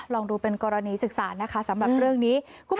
ลองดูเป็นกรณีศึกษานะคะสำหรับเรื่องนี้